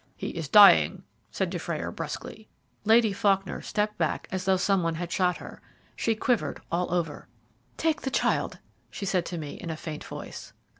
"He is dying," said Dufrayer brusquely. Lady Faulkner stepped back as though some one had shot her. She quivered all over. "Take the child," she said to me, in a faint voice.